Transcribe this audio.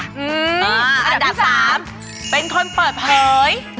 อันดับ๓เป็นคนเปิดเผย